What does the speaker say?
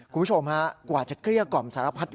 คุณผู้ชมฮะกว่าจะเกลี้ยกล่อมสารพัด